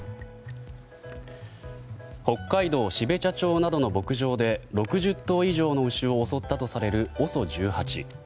北海道標茶町などの牧場で６０頭以上の牛を襲ったとされるＯＳＯ１８。